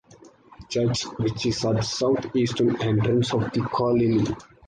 Church, which is at the South Eastern entrance of the colony.